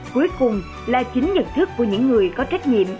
cuối cùng là chính nhận thức của những người có trách nhiệm